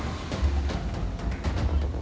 โดนไปเยอะแค่นั้นแหละ